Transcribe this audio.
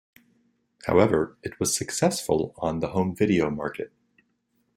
However, it was successful on the home video market.